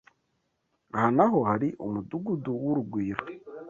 Aha naho har umudugudu w’ urugwiro